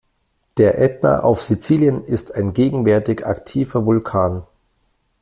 Der Ätna auf Sizilien ist ein gegenwärtig aktiver Vulkan.